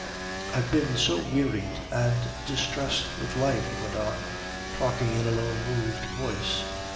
"I've been so wearied and distressed with life," he went on, talking in a low, moved voice.